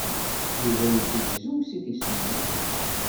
Yuba yezzegzew si tismin.